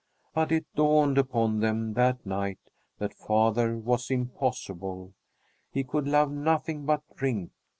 But it dawned upon them that night that father was impossible. He could love nothing but drink.